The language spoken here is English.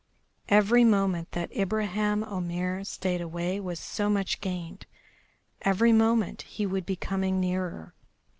Every moment that Ibraheim Omair stayed away was so much gained, every moment he would be coming nearer.